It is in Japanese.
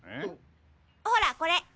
ほらこれ。